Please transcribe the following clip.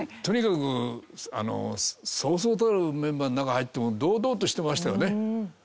とにかくそうそうたるメンバーの中に入っても堂々としてましたよね。